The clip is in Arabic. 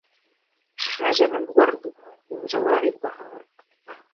خجل الورد من جوار البهار